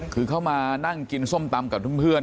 คือเขามานั่งกินส้มตำกับเพื่อน